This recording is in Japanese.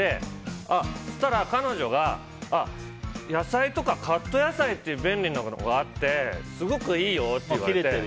そしたら彼女が野菜とかカット野菜っていう便利なものがあってすごくいいよって言われて。